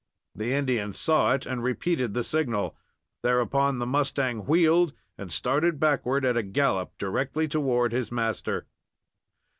The Indian saw it, and repeated the signal. Thereupon the mustang wheeled and started backward at a gallop, directly toward his master.